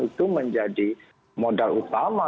itu menjadi modal utama